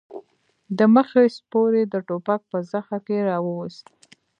د مخې سپور يې د ټوپک په زخه کې راووست.